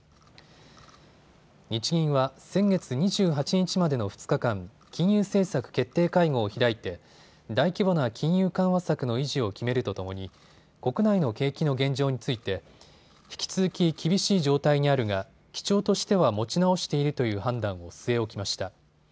日銀は先月２８日までの２日間、金融政策決定会合を開いて大規模な金融緩和策の維持を決めるとともに国内の景気の現状について引き続き厳しい状態にあるが基調としては持ち直しているという判断を据え置きました。